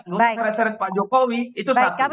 nggak usah seret seret pak jokowi itu satu